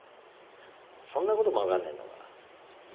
そんなことも分かんねえのか。